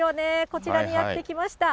こちらにやって来ました。